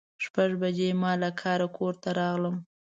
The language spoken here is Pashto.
شپږ بجې ما له کاره کور ته راغلم.